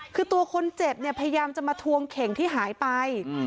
คือตัวคนเจ็บเนี่ยพยายามจะมาทวงเข่งที่หายไป